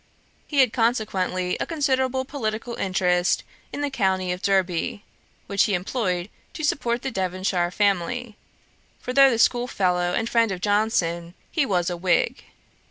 He had consequently a considerable political interest in the county of Derby, which he employed to support the Devonshire family; for though the schoolfellow and friend of Johnson, he was a Whig.